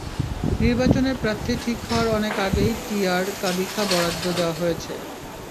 নির্বাচনে প্রার্থী ঠিক হওয়ার অনেক আগেই টিআর, কাবিখা বরাদ্দ দেওয়া হয়ে গেছে।